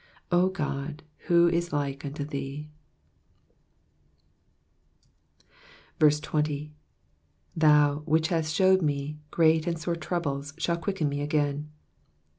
0 Qod^ who is like unto thee,'''* 20. ''^ThoUy which hast shewed me great and sore troubles, shalt quicken me again..'''